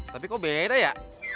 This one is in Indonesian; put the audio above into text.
tapi kok beda ya